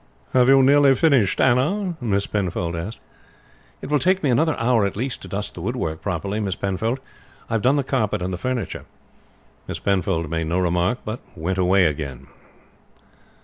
"Have you nearly finished, Anna?" Miss Penfold asked. "It will take me another hour at least to dust the woodwork properly, Miss Penfold. I have done the carpet and furniture." Miss Penfold made no remark but went away again.